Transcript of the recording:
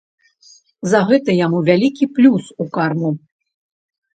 За гэта яму вялікі плюс у карму.